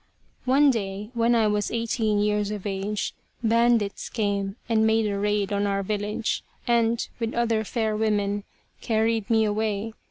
One day, when I was eighteen years of age, bandits came and made a raid on our village and, with other fair women, carried me away.